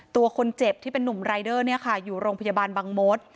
ตัวคนเจ็บที่เป็นนุ่มรายเดอร์เนี่ยค่ะอยู่โรงพยาบาลบังมศ